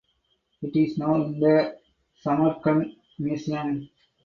It is now in the Samarkand Museum.